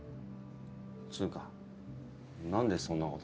つぅかなんでそんなこと。